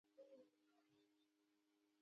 په ولسي کلتور کې موږ ټوکیان هم وینو.